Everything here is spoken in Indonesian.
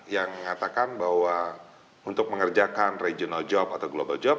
yang mengatakan bahwa untuk mengerjakan regional job atau global job